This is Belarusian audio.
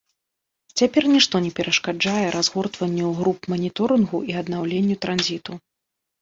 Цяпер нішто не перашкаджае разгортванню груп маніторынгу і аднаўленню транзіту.